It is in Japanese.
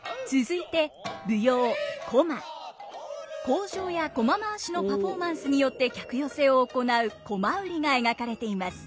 口上や独楽回しのパフォーマンスによって客寄せを行う独楽売りが描かれています。